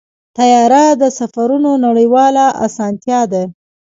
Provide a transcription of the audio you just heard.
طیاره د سفرونو نړیواله اسانتیا ده.